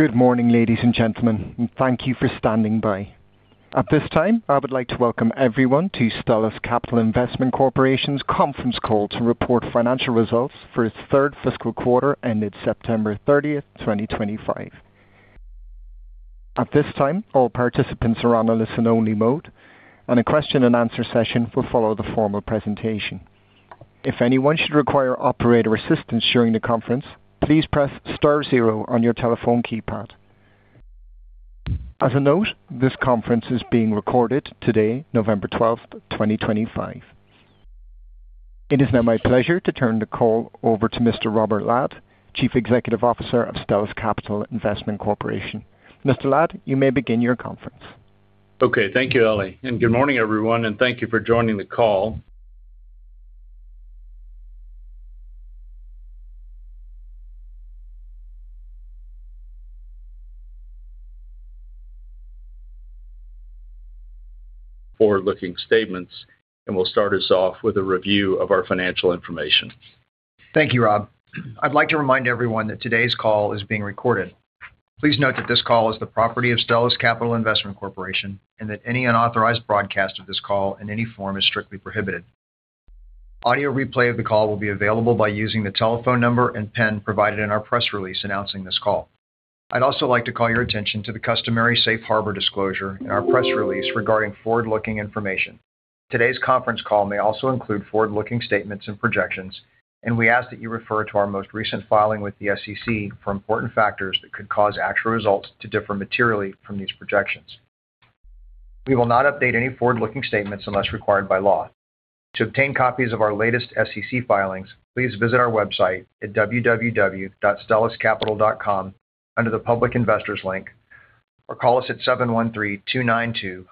Good morning, ladies and gentlemen, and thank you for standing by. At this time, I would like to welcome everyone to Stellus Capital Investment Corporation's conference call to report financial results for its third fiscal quarter ended September 30th, 2025. At this time, all participants are on a listen-only mode, and a question-and-answer session will follow the formal presentation. If anyone should require operator assistance during the conference, please press star zero on your telephone keypad. As a note, this conference is being recorded today, November 12th, 2025. It is now my pleasure to turn the call over to Mr. Robert Ladd, Chief Executive Officer of Stellus Capital Investment Corporation. Mr. Ladd, you may begin your conference. Okay. Thank you, Ali. Good morning, everyone, and thank you for joining the call. Forward-looking statements, and we'll start us off with a review of our financial information. Thank you, Rob. I'd like to remind everyone that today's call is being recorded. Please note that this call is the property of Stellus Capital Investment Corporation and that any unauthorized broadcast of this call in any form is strictly prohibited. Audio replay of the call will be available by using the telephone number and PIN provided in our press release announcing this call. I'd also like to call your attention to the customary safe harbor disclosure in our press release regarding forward-looking information. Today's conference call may also include forward-looking statements and projections, and we ask that you refer to our most recent filing with the SEC for important factors that could cause actual results to differ materially from these projections. We will not update any forward-looking statements unless required by law. To obtain copies of our latest SEC filings, please visit our website at www.stelluscapital.com under the public investors link or call us at 713-292-5400.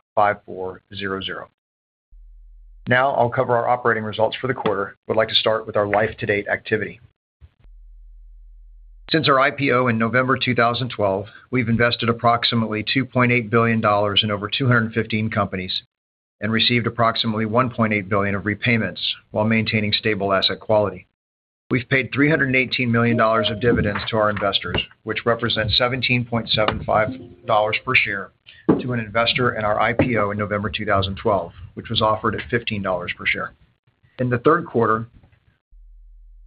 Now, I'll cover our operating results for the quarter, but I'd like to start with our life-to-date activity. Since our IPO in November 2012, we've invested approximately $2.8 billion in over 215 companies and received approximately $1.8 billion of repayments while maintaining stable asset quality. We've paid $318 million of dividends to our investors, which represents $17.75 per share to an investor in our IPO in November 2012, which was offered at $15 per share. In the third quarter,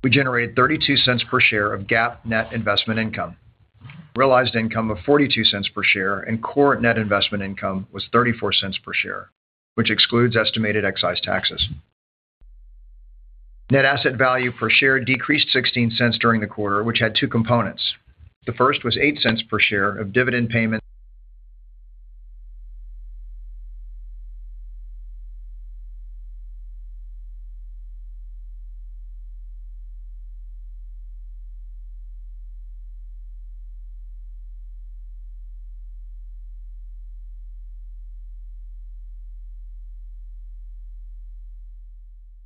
we generated $0.32 per share of GAAP net investment income. Realized income of $0.42 per share and core net investment income was $0.34 per share, which excludes estimated excise taxes. Net asset value per share decreased $0.16 during the quarter, which had two components. The first was $0.08 per share of dividend payments.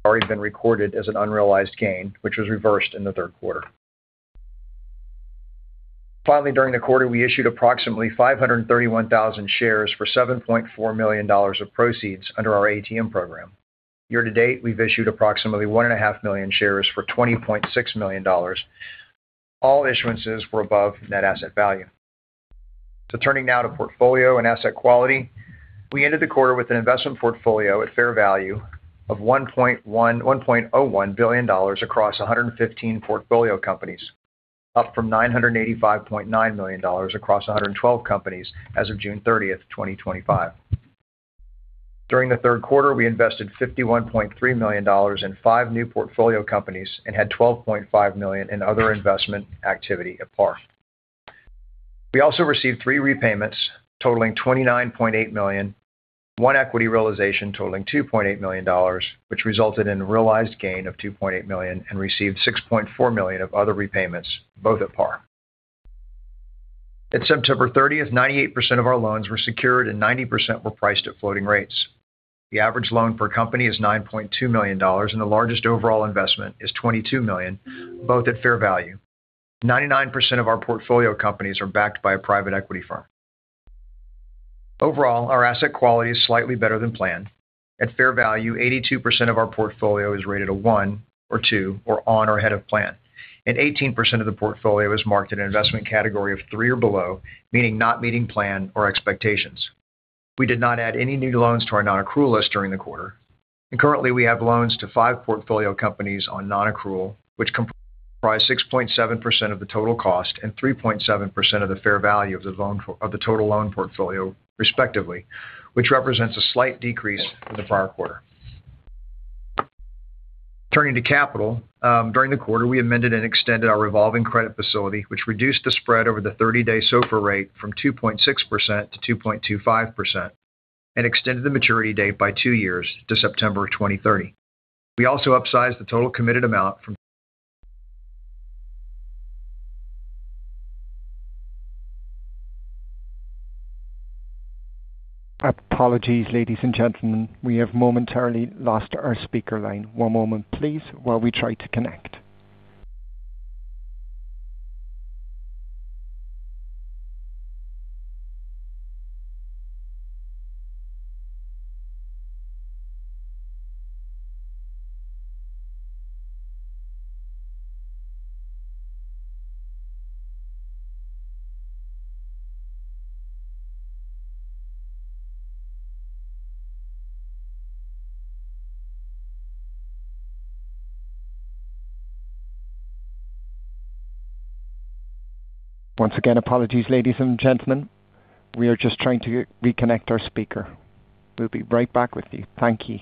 Already been recorded as an unrealized gain, which was reversed in the third quarter. Finally, during the quarter, we issued approximately 531,000 shares for $7.4 million of proceeds under our ATM program. Year to date, we've issued approximately 1.5 million shares for $20.6 million. All issuances were above net asset value. Turning now to portfolio and asset quality, we ended the quarter with an investment portfolio at fair value of $1.01 billion across 115 portfolio companies, up from $985.9 million across 112 companies as of June 30th, 2025. During the third quarter, we invested $51.3 million in five new portfolio companies and had $12.5 million in other investment activity at par. We also received three repayments totaling $29.8 million, one equity realization totaling $2.8 million, which resulted in a realized gain of $2.8 million, and received $6.4 million of other repayments, both at par. At September 30th, 98% of our loans were secured and 90% were priced at floating rates. The average loan per company is $9.2 million, and the largest overall investment is $22 million, both at fair value. 99% of our portfolio companies are backed by a private equity firm. Overall, our asset quality is slightly better than planned. At fair value, 82% of our portfolio is rated a one or two or on or ahead of plan. 18% of the portfolio is marked in an investment category of three or below, meaning not meeting plan or expectations. We did not add any new loans to our non-accrual list during the quarter. Currently, we have loans to five portfolio companies on non-accrual, which comprise 6.7% of the total cost and 3.7% of the fair value of the total loan portfolio, respectively, which represents a slight decrease from the prior quarter. Turning to capital, during the quarter, we amended and extended our revolving credit facility, which reduced the spread over the 30-day SOFR rate from 2.6% to 2.25% and extended the maturity date by two years to September 2030. We also upsized the total committed amount from. Apologies, ladies and gentlemen. We have momentarily lost our speaker line. One moment, please, while we try to connect. Once again, apologies, ladies and gentlemen. We are just trying to reconnect our speaker. We'll be right back with you. Thank you.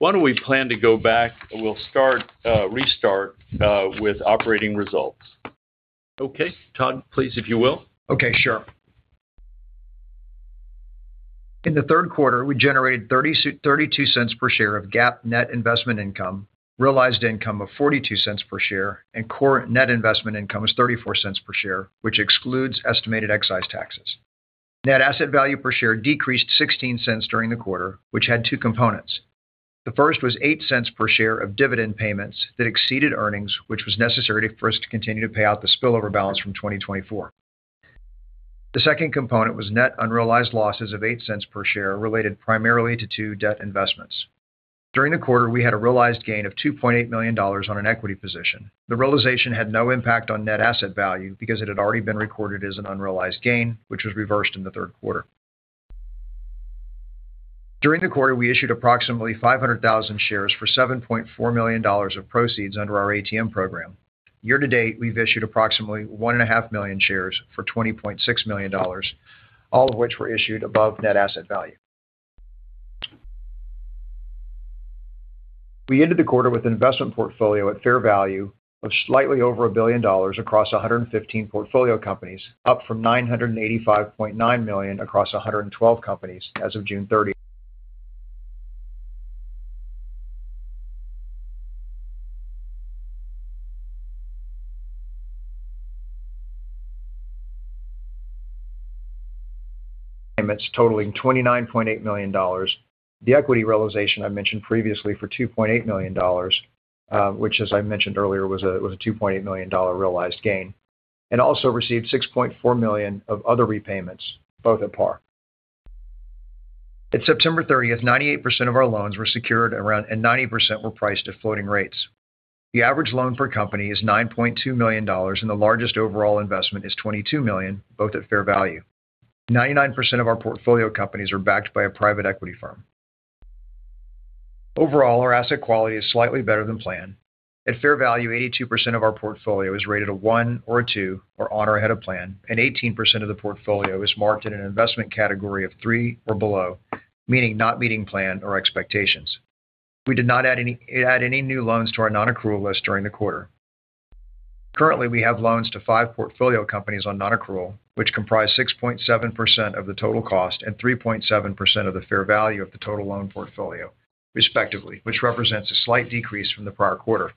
Why don't we plan to go back? We'll restart with operating results. Okay. Todd, please, if you will. Okay. Sure. In the third quarter, we generated $0.32 per share of GAAP net investment income, realized income of $0.42 per share, and core net investment income is $0.34 per share, which excludes estimated excise taxes. Net asset value per share decreased $0.16 during the quarter, which had two components. The first was $0.08 per share of dividend payments that exceeded earnings, which was necessary for us to continue to pay out the spillover balance from 2024. The second component was net unrealized losses of $0.08 per share related primarily to two debt investments. During the quarter, we had a realized gain of $2.8 million on an equity position. The realization had no impact on net asset value because it had already been recorded as an unrealized gain, which was reversed in the third quarter. During the quarter, we issued approximately 500,000 shares for $7.4 million of proceeds under our ATM program. Year to date, we've issued approximately 1.5 million shares for $20.6 million, all of which were issued above net asset value. We ended the quarter with an investment portfolio at fair value of slightly over $1 billion across 115 portfolio companies, up from $985.9 million across 112 companies as of June 30th. Payments totaling $29.8 million. The equity realization I mentioned previously for $2.8 million, which, as I mentioned earlier, was a $2.8 million realized gain, and also received $6.4 million of other repayments, both at par. At September 30th, 98% of our loans were secured and 90% were priced at floating rates. The average loan per company is $9.2 million, and the largest overall investment is $22 million, both at fair value. 99% of our portfolio companies are backed by a private equity firm. Overall, our asset quality is slightly better than planned. At fair value, 82% of our portfolio is rated a one or a two or on or ahead of plan, and 18% of the portfolio is marked in an investment category of three or below, meaning not meeting plan or expectations. We did not add any new loans to our non-accrual list during the quarter. Currently, we have loans to five portfolio companies on non-accrual, which comprise 6.7% of the total cost and 3.7% of the fair value of the total loan portfolio, respectively, which represents a slight decrease from the prior quarter.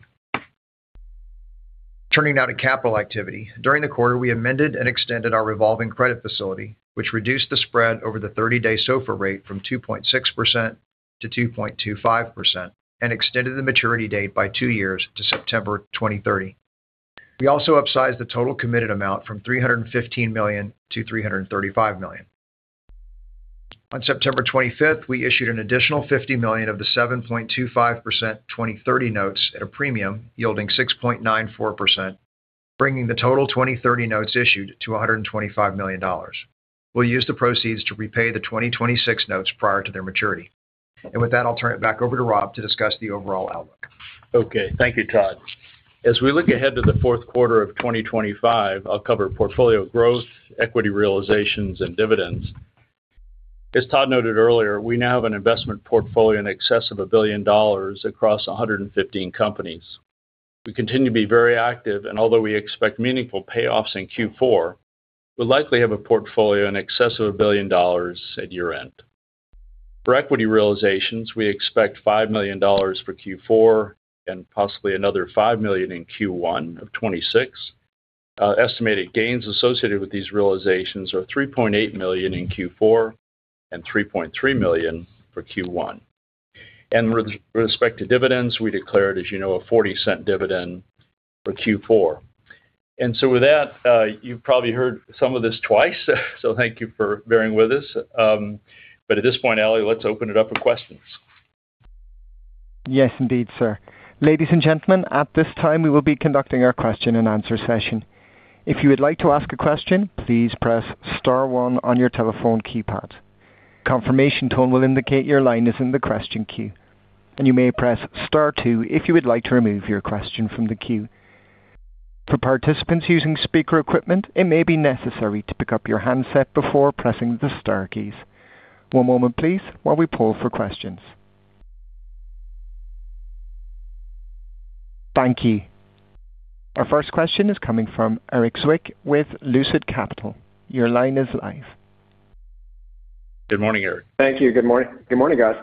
Turning now to capital activity. During the quarter, we amended and extended our revolving credit facility, which reduced the spread over the 30-day SOFR rate from 2.6% to 2.25% and extended the maturity date by two years to September 2030. We also upsized the total committed amount from $315 million to $335 million. On September 25th, we issued an additional $50 million of the 7.25% 2030 notes at a premium yielding 6.94%, bringing the total 2030 notes issued to $125 million. We'll use the proceeds to repay the 2026 notes prior to their maturity. With that, I'll turn it back over to Rob to discuss the overall outlook. Okay. Thank you, Todd. As we look ahead to the fourth quarter of 2025, I'll cover portfolio growth, equity realizations, and dividends. As Todd noted earlier, we now have an investment portfolio in excess of $1 billion across 115 companies. We continue to be very active, and although we expect meaningful payoffs in Q4, we'll likely have a portfolio in excess of $1 billion at year-end. For equity realizations, we expect $5 million for Q4 and possibly another $5 million in Q1 of 2026. Estimated gains associated with these realizations are $3.8 million in Q4 and $3.3 million for Q1. With respect to dividends, we declared, as you know, a $0.40 dividend for Q4. You have probably heard some of this twice, so thank you for bearing with us. At this point, Ali, let's open it up for questions. Yes, indeed, sir. Ladies and gentlemen, at this time, we will be conducting our question-and-answer session. If you would like to ask a question, please press star one on your telephone keypad. A confirmation tone will indicate your line is in the question queue, and you may press star two if you would like to remove your question from the queue. For participants using speaker equipment, it may be necessary to pick up your handset before pressing the star keys. One moment, please, while we pull for questions. Thank you. Our first question is coming from Erik Zwick with Lucid Capital. Your line is live. Good morning, Eric. Thank you. Good morning, guys.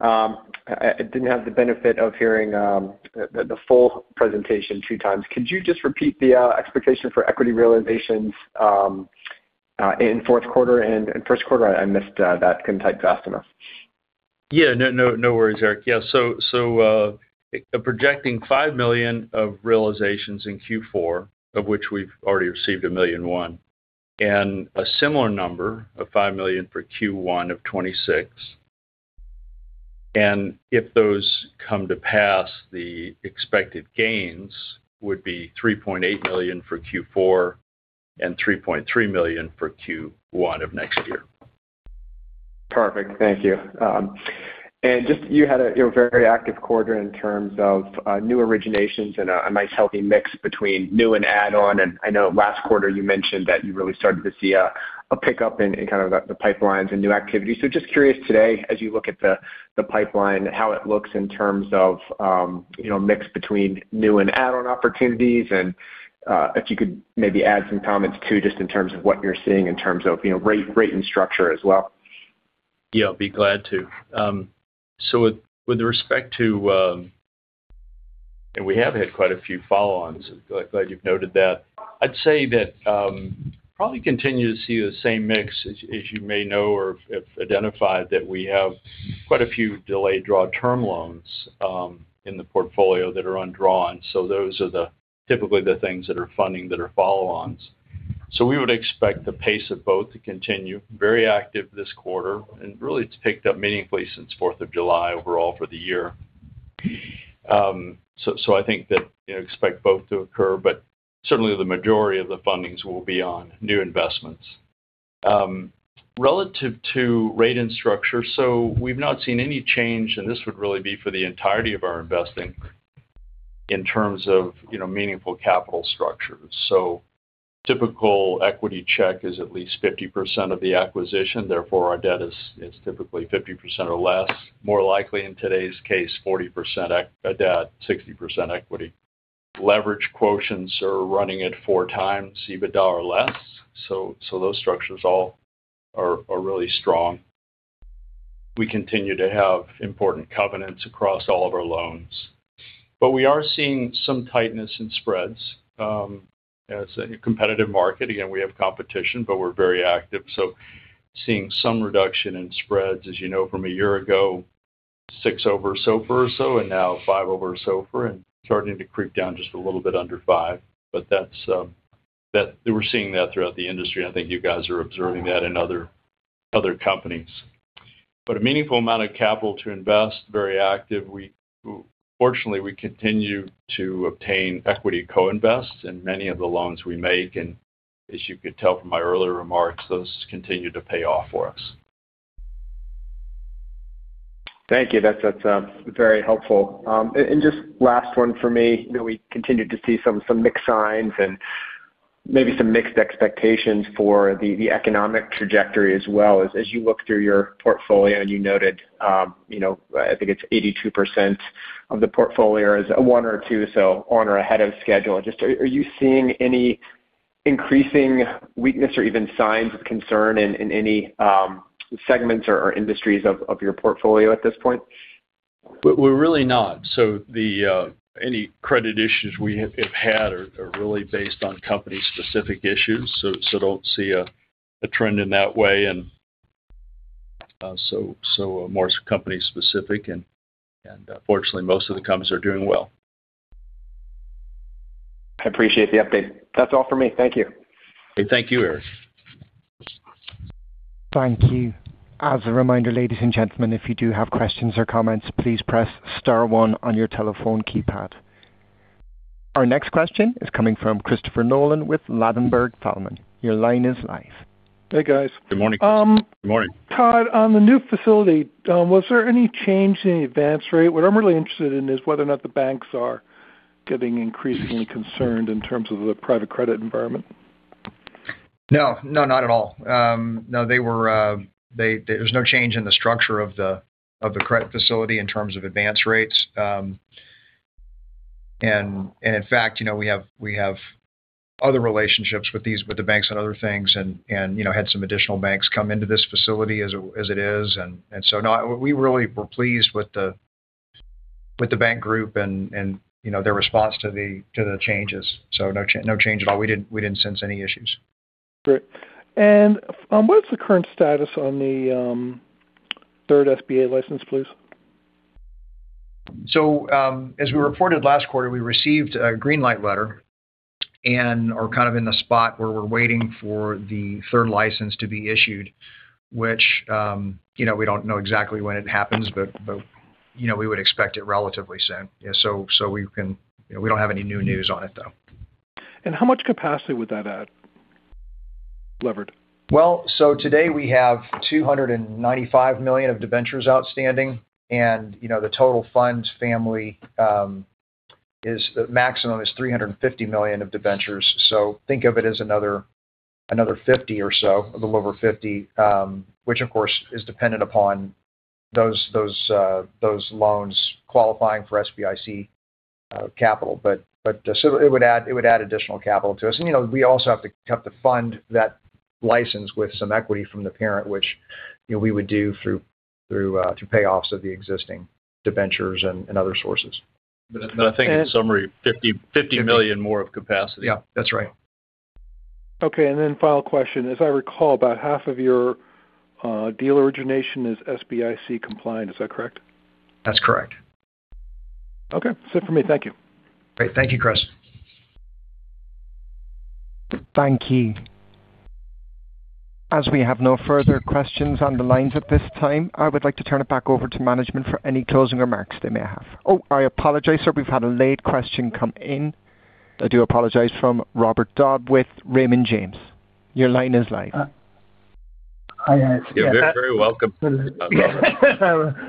I did not have the benefit of hearing the full presentation two times. Could you just repeat the expectation for equity realizations in fourth quarter and first quarter? I missed that. Could not type fast enough. Yeah. No worries, Eric. Yeah. So projecting $5 million of realizations in Q4, of which we've already received $1.01 million, and a similar number of $5 million for Q1 of 2026. If those come to pass, the expected gains would be $3.8 million for Q4 and $3.3 million for Q1 of next year. Perfect. Thank you. You had a very active quarter in terms of new originations and a nice healthy mix between new and add-on. I know last quarter, you mentioned that you really started to see a pickup in kind of the pipelines and new activity. I am just curious today, as you look at the pipeline, how it looks in terms of a mix between new and add-on opportunities. If you could maybe add some comments too, just in terms of what you are seeing in terms of rate and structure as well. Yeah. I'd be glad to. With respect to—and we have had quite a few follow-ons. Glad you've noted that. I'd say that probably continue to see the same mix as you may know or have identified that we have quite a few delayed-draw term loans in the portfolio that are undrawn. Those are typically the things that are funding that are follow-ons. We would expect the pace of both to continue very active this quarter. It has picked up meaningfully since 4th of July overall for the year. I think that expect both to occur, but certainly, the majority of the fundings will be on new investments. Relative to rate and structure, we've not seen any change, and this would really be for the entirety of our investing in terms of meaningful capital structures. Typical equity check is at least 50% of the acquisition. Therefore, our debt is typically 50% or less. More likely, in today's case, 40% debt, 60% equity. Leverage quotients are running at four times EBITDA or less. Those structures all are really strong. We continue to have important covenants across all of our loans. We are seeing some tightness in spreads. As a competitive market, again, we have competition, but we're very active. Seeing some reduction in spreads, as you know, from a year ago, six over SOFR or so, and now five over SOFR, and starting to creep down just a little bit under five. We're seeing that throughout the industry. I think you guys are observing that in other companies. A meaningful amount of capital to invest, very active. Fortunately, we continue to obtain equity co-invests in many of the loans we make. As you could tell from my earlier remarks, those continue to pay off for us. Thank you. That's very helpful. Just last one for me. We continue to see some mixed signs and maybe some mixed expectations for the economic trajectory as well. As you look through your portfolio, and you noted, I think it's 82% of the portfolio is a one or two so on or ahead of schedule. Just are you seeing any increasing weakness or even signs of concern in any segments or industries of your portfolio at this point? We're really not. Any credit issues we have had are really based on company-specific issues. I don't see a trend in that way. More company-specific. Fortunately, most of the companies are doing well. I appreciate the update. That's all for me. Thank you. Thank you, Eric. Thank you. As a reminder, ladies and gentlemen, if you do have questions or comments, please press Star 1 on your telephone keypad. Our next question is coming from Christopher Nolan with Ladenburg Thalmann. Your line is live. Hey, guys. Good morning. Good morning. Todd, on the new facility, was there any change in the advance rate? What I'm really interested in is whether or not the banks are getting increasingly concerned in terms of the private credit environment. No. No, not at all. No, there's no change in the structure of the credit facility in terms of advance rates. In fact, we have other relationships with the banks and other things and had some additional banks come into this facility as it is. We really were pleased with the bank group and their response to the changes. No change at all. We didn't sense any issues. Great. What is the current status on the third SBA license, please? As we reported last quarter, we received a green light letter and are kind of in the spot where we're waiting for the third license to be issued, which we don't know exactly when it happens, but we would expect it relatively soon. We don't have any new news on it, though. How much capacity would that add, levered? Today, we have $295 million of debentures outstanding. The total funds family is the maximum is $350 million of debentures. Think of it as another $50 million or so, a little over $50 million, which, of course, is dependent upon those loans qualifying for SBIC capital. It would add additional capital to us. We also have to fund that license with some equity from the parent, which we would do through payoffs of the existing debentures and other sources. I think in summary, $50 million more of capacity. Yeah. That's right. Okay. And then final question. As I recall, about half of your deal origination is SBIC compliant. Is that correct? That's correct. Okay. That's it for me. Thank you. Great. Thank you, Chris. Thank you. As we have no further questions on the lines at this time, I would like to turn it back over to management for any closing remarks they may have. Oh, I apologize, sir. We've had a late question come in. I do apologize from Robert Dodd with Raymond James. Your line is live. Hi. Yeah. You're very welcome. A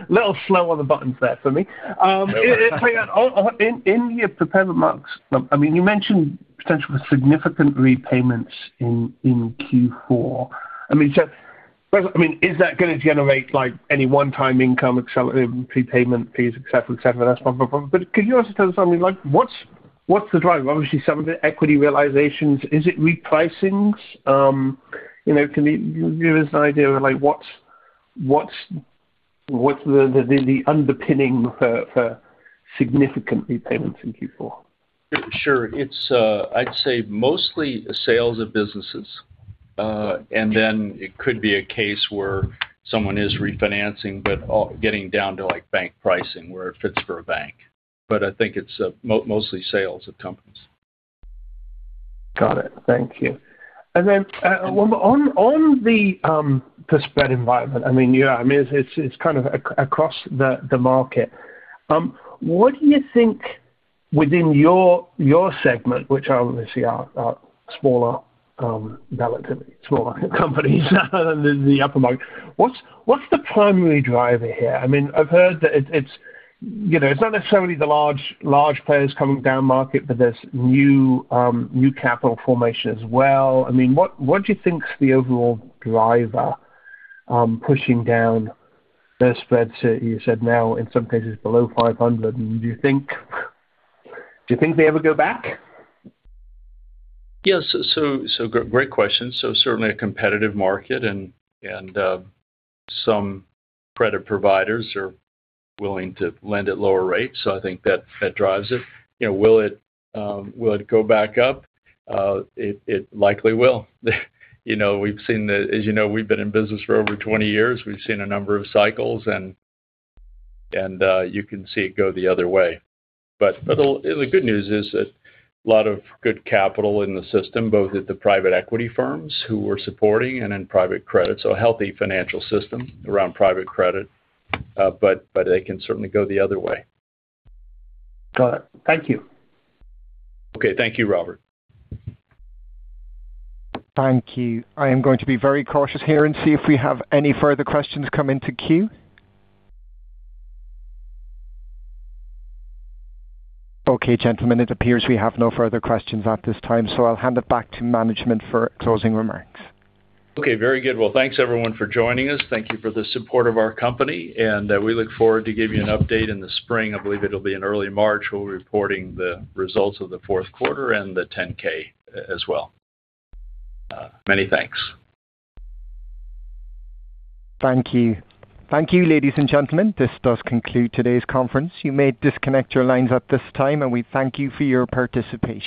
little slow on the buttons there for me. In your prepared remarks, I mean, you mentioned potential for significant repayments in Q4. I mean, is that going to generate any one-time income, prepayment fees, etc., etc.? Could you also tell us, I mean, what's the driver? Obviously, some of the equity realizations. Is it repricings? Can you give us an idea of what's the underpinning for significant repayments in Q4? Sure. I'd say mostly sales of businesses. It could be a case where someone is refinancing, but getting down to bank pricing where it fits for a bank. I think it's mostly sales of companies. Got it. Thank you. On the spread environment, I mean, it's kind of across the market. What do you think within your segment, which are obviously smaller companies than the upper market, what's the primary driver here? I mean, I've heard that it's not necessarily the large players coming down market, but there's new capital formation as well. I mean, what do you think is the overall driver pushing down their spreads? You said now, in some cases, below 500. Do you think they ever go back? Yeah. Great question. Certainly, a competitive market and some credit providers are willing to lend at lower rates. I think that drives it. Will it go back up? It likely will. We've seen that, as you know, we've been in business for over 20 years. We've seen a number of cycles, and you can see it go the other way. The good news is that a lot of good capital in the system, both at the private equity firms who we're supporting and in private credit, so a healthy financial system around private credit. They can certainly go the other way. Got it. Thank you. Okay. Thank you, Robert. Thank you. I am going to be very cautious here and see if we have any further questions come into queue. Okay, gentlemen, it appears we have no further questions at this time. I will hand it back to management for closing remarks. Okay. Very good. Thanks, everyone, for joining us. Thank you for the support of our company. We look forward to giving you an update in the spring. I believe it will be in early March. We will be reporting the results of the fourth quarter and the 10-K as well. Many thanks. Thank you. Thank you, ladies and gentlemen. This does conclude today's conference. You may disconnect your lines at this time, and we thank you for your participation.